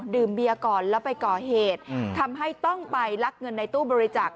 เบียร์ก่อนแล้วไปก่อเหตุทำให้ต้องไปลักเงินในตู้บริจาค